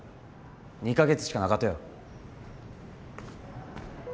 ２か月しかなかとよ。